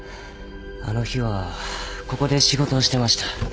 あの日はここで仕事をしてました。